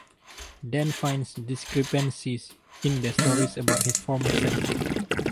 Dan finds discrepancies in the stories about his former self.